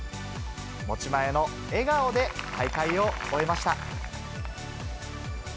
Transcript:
持ち前の笑顔で大会を終えました。